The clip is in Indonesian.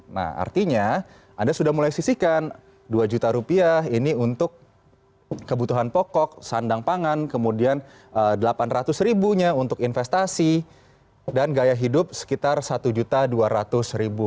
nah artinya anda sudah mulai sisihkan dua juta rupiah ini untuk kebutuhan pokok sandang pangan kemudian rp delapan ratus ribunya untuk investasi dan gaya hidup sekitar rp satu dua ratus